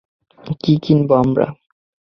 কী কিনব আমরা?